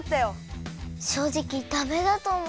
しょうじきダメだとおもった。